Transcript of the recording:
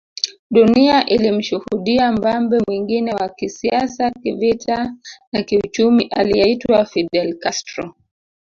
Dunia ilimshuhudia mbambe mwingine wa kisiasa kivita na kiuchumi aliyeitwa Fidel Castro